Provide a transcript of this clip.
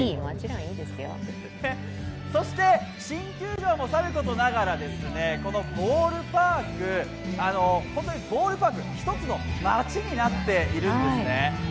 そして新球場もさることながらこのボールパーク、本当にボールパーク、１つの街になっているんですね。